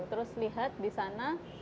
terus lihat di sana